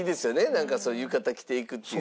なんかそう浴衣着て行くっていうのは。